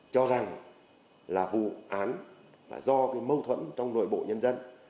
cho rằng là vụ án là do cái mâu thuẫn trong nội bộ nhân dân